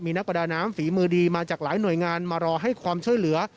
นักประดาน้ำฝีมือดีมาจากหลายหน่วยงานมารอให้ความช่วยเหลือ